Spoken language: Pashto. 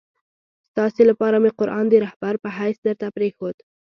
ستاسي لپاره مي قرآن د رهبر په حیث درته پرېښود.